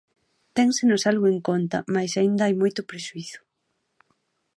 Ténsenos algo en conta mais aínda hai moito prexuízo.